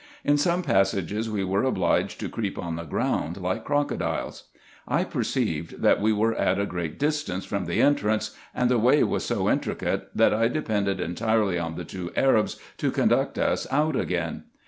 In some passages we were obliged to creep on the ground, like crocodiles. I perceived, that we were at a great distance from the entrance, and the way was so intricate, that I depended entirely on the two Arabs, to conduct us out again.